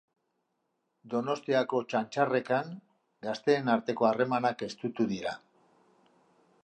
Donostiako Txantxarrekan gazteen arteko harremanak estutu dira.